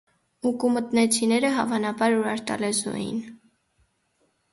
Ուկումտնեցիները, հավանաբար, ուրարտալեզու էին։